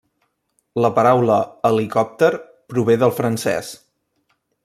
La paraula 'helicòpter' prové del francès.